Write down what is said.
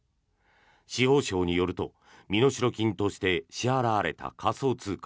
司法省によると身代金として支払われた仮想通貨